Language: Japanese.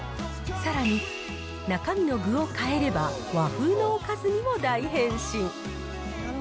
さらに、中身の具を変えれば、和風のおかずにも大変身。